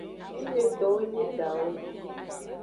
Fine towo nyi edawo.